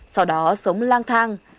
sau đó sống lang thang